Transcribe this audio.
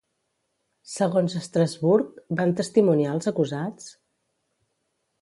Segons Estrasburg, van testimoniar els acusats?